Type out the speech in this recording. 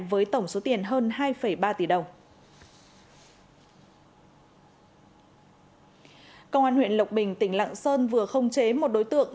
với tổng số tiền hơn hai ba tỷ đồng công an huyện lộc bình tỉnh lạng sơn vừa không chế một đối tượng